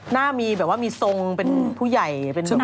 หน้ามีแบบว่ามีทรงเป็นผู้ใหญ่